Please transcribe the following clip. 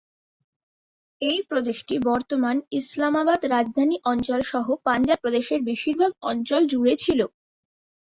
এই প্রদেশটি বর্তমান ইসলামাবাদ রাজধানী অঞ্চল সহ পাঞ্জাব প্রদেশের বেশিরভাগ অঞ্চল জুড়ে ছিল।